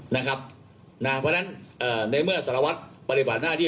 เพราะฉะนั้นในเมื่อสารวัตรปฏิบัติหน้าที่